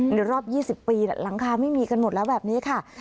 ในรอบ๒๐ปีหลังคาไม่มีกันหมดแล้วแบบนี้ค่ะ